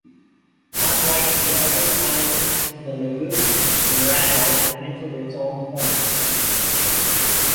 Unlike the other islands in the Lagoon, Murano minted its own coins.